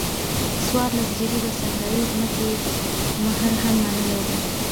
څوارلس جریبه صحرایي ځمکې مهر هم منلی دی.